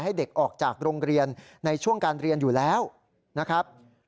ให้เด็กออกจากโรงเรียนในช่วงการเรียนอยู่แล้วนะครับ